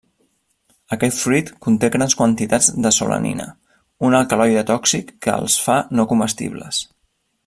Aquest fruit conté grans quantitats de solanina, un alcaloide tòxic que els fa no comestibles.